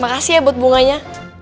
makasih ya buat bunganya